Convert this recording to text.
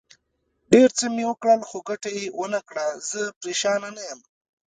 ډېر څه مې وکړل، خو ګټه یې ونه کړه، زه پرېشانه نه یم.